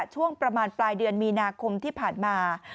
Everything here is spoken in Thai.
ช่วงประมาณปลายเดือนมีนาคมที่ผ่านมา